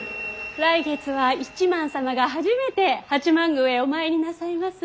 来月は一幡様が初めて八幡宮へお参りなさいます。